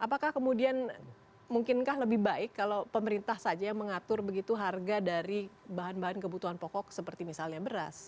apakah kemudian mungkinkah lebih baik kalau pemerintah saja yang mengatur begitu harga dari bahan bahan kebutuhan pokok seperti misalnya beras